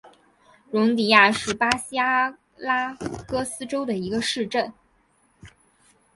容迪亚是巴西阿拉戈斯州的一个市镇。